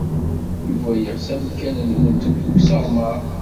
Yuba yeɣs amkan-nwent n usseɣmer.